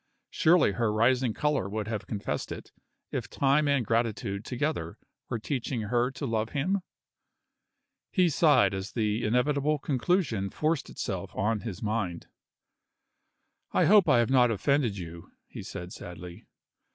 Surely her rising color would have confessed it, if time and gratitude together were teaching her to love him? He sighed as the inevitable conclusion forced itself on his mind. "I hope I have not offended you?" he said sadly.